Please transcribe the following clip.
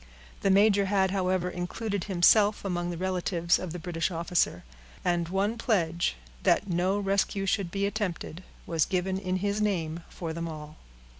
The major had, however, included himself among the relatives of the British officer; and one pledge, that no rescue should be attempted, was given in his name, for them all.